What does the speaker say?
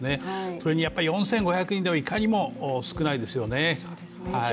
それに４５００人ではいかにも少ないですよね。